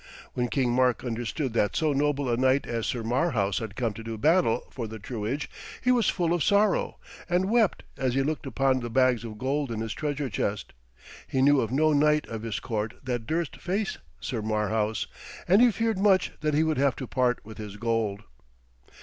When King Mark understood that so noble a knight as Sir Marhaus had come to do battle for the truage, he was full of sorrow, and wept as he looked upon the bags of gold in his treasure chest. He knew of no knight of his court that durst face Sir Marhaus, and he feared much that he would have to part with his gold.